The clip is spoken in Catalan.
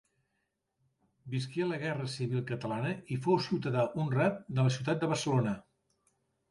Visqué la Guerra civil catalana i fou ciutadà honrat de la ciutat de Barcelona.